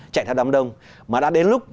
chạy theo đám đông mà đã đến lúc